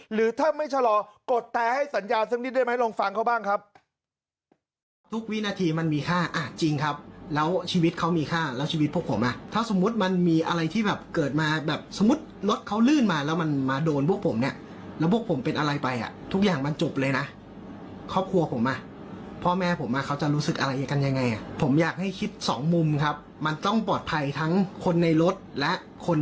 หรือถ้าไม่ชะลอกดแต่ให้สัญญาสักนิดได้ไหมลองฟังเขาบ้างครับ